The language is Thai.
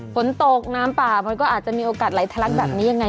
ฝนตกน้ำป่าเมื่อหนึ่งก็อาจจะมีโอกาสหลายทะลักษณ์แบบนี้ยังไง